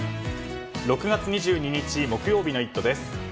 ６月２２日木曜日の「イット！」です。